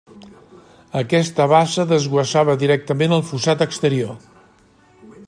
Aquesta bassa desguassava directament al fossat exterior.